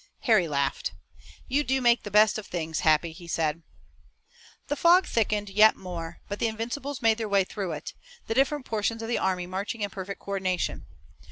Harry laughed. "You do make the best of things, Happy," he said. The fog thickened yet more, but the Invincibles made their sure way through it, the different portions of the army marching in perfect coordination.